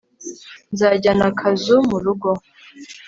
nzajyana akazu murugo